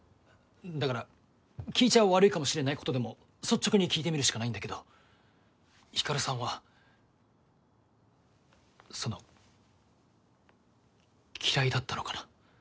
だから聞いちゃ悪いかもしれないことでも率直に聞いてみるしかないんだけどひかるさんはその嫌いだったのかな？